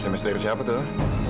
sms dari siapa tuh